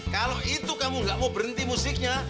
kalau itu kamu gak mau berhenti musiknya